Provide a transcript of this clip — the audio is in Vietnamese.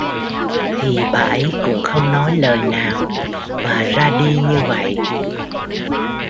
Thì bà ấy cũng không nói lời nào và ra đi như vậy